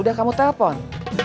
udah kamu telpon